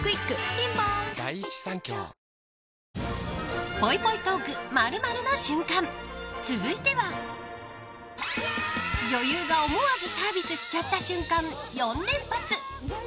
ピンポーンぽいぽいトーク、○○な瞬間続いては女優が思わずサービスしちゃった瞬間４連発。